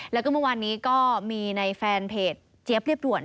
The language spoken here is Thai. แล้วก็เมื่อวานนี้ก็มีในแฟนเพจเจี๊ยบเรียบด่วน